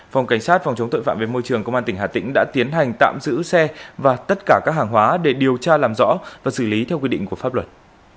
phòng cảnh sát phòng chống tội phạm về môi trường công an tỉnh hà tĩnh đã tiến hành tạm giữ xe và tất cả các hàng hóa để điều tra làm rõ và xử lý theo quy định của pháp luật